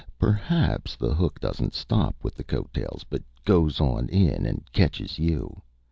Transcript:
Perhaps the hook doesn't stop with the coat tails, but goes on in, and catches you.